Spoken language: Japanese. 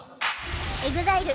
ＥＸＩＬＥ